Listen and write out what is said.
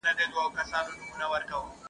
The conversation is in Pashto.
هغه ښکار وو د ده غار ته ورغلی!.